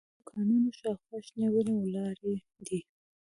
د دوکانونو شاوخوا شنې ونې ولاړې دي.